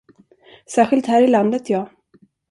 Särskilt här i landet ja.